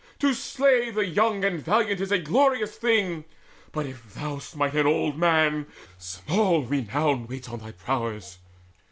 To slay The young and valiant is a glorious thing; But if thou smite an old man, small renown Waits on thy prowess.